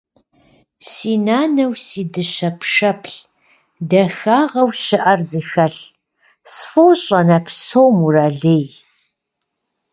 Си нанэу си дыщэ пшэплъ, дахагъэу щыӏэр зыхэлъ, сфӏощӏ анэ псом уралей.